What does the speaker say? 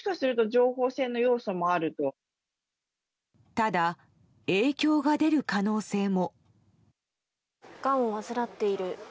ただ、影響が出る可能性も。